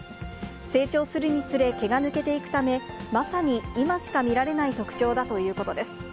成長するにつれ、毛が抜けていくため、まさに今しか見られない特徴だということです。